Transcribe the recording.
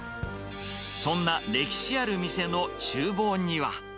そんな歴史ある店のちゅう房には。